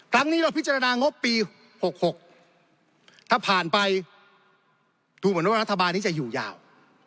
เราพิจารณางบปี๖๖ถ้าผ่านไปดูเหมือนว่ารัฐบาลนี้จะอยู่ยาว